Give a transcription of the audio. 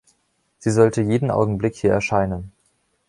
Sie sollte jeden Augenblick hier erscheinen.